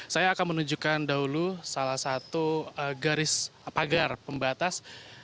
saya akan menunjukkan dahulu salah satu garis pagar pembatas